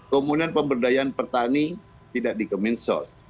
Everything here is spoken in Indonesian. kemudian pemberdayaan pertani tidak di kemin sos